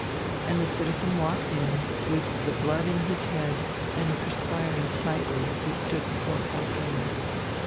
And the citizen walked in; with the blood in his head and perspiring slightly he stood before Klaus Heinrich.